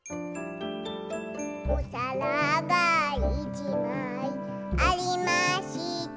「おさらがいちまいありました」